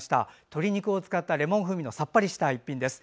鶏肉を使ったレモン風味のさっぱりとした一品です。